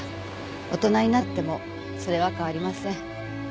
大人になってもそれは変わりません。